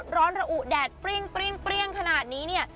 ร้อนระอุแดดเปรี้ยงขนาดนี้เนี่ย